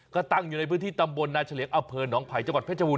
ก็ตั้งอยู่ในพื้นที่ตำบลนาชลียกอเผิร์นน้องไผ่จังหวัดเพชรหุ่น